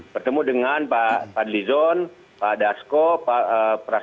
pertemu dengan pak adlizon pak dasko pak prasad